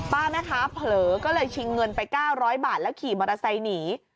แม่ค้าเผลอก็เลยชิงเงินไป๙๐๐บาทแล้วขี่มอเตอร์ไซค์หนี